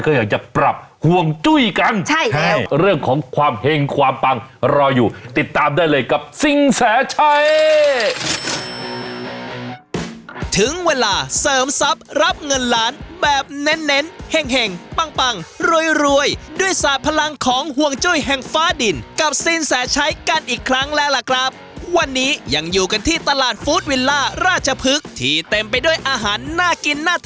ขอบคุณคุณโอ้นแล้วก็ขอบคุณเคฟด้วยนะครับ